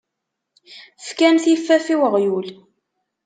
Fkan tiffaf i uɣyul.